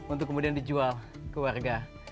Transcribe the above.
untuk kemudian dijual ke warga